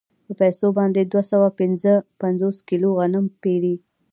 په پیسو باندې دوه سوه پنځه پنځوس کیلو غنم پېري